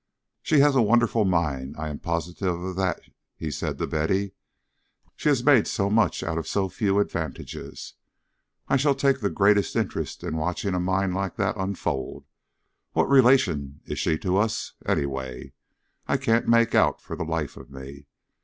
"She has a wonderful mind, I am positive of that," he said to Betty. "She has made so much out of so few advantages. I shall take the greatest interest in watching a mind like that unfold. What relation is she to us, anyway? I can't make out, for the life of me.